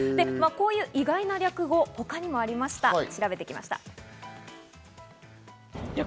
こういう意外な略語、他にもありました。